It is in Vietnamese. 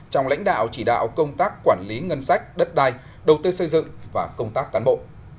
trong lãnh đạo chỉ đạo công tác quản lý ngân sách đất đai đầu tư xây dựng và công tác cán bộ